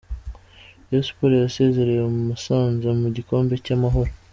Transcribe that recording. Rayon Sports yasezereye Musanze mu gikombe cy’ amahoro .